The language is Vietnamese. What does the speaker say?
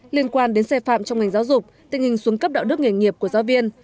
liên quan đến xe phạm trong ngành giáo dục tình hình xuống cấp đạo đức nghề nghiệp của giáo viên